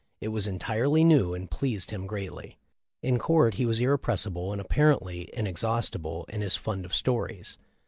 It was entirely new, and pleased him greatly. In court he was irrepres sible and apparently inexhaustible in his fund of stories.